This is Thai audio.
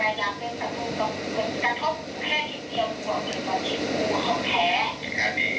แต่อยากเป็นศัตรูก็คุณกระทบแค่ทีเดียวกว่าอื่นกว่าชิ้นกูเขาแพ้